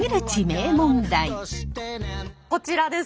こちらです。